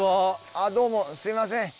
あっどうもすいません。